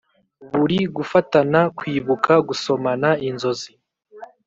buri gufatana kwibuka, gusomana inzozi.